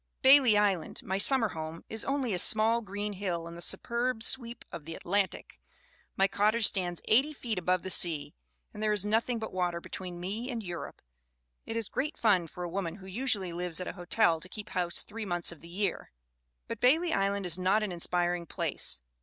"Bailey Island, my summer home, is only a sma?. green hill in the superb sweep of the Atlantic. My cottage stands eighty feet above the sea, and there is nothing but water between me and Europe. It is great fun for a woman who usually lives at a hotel to keep house three months of the year. "But Bailey Island is not an inspiring place.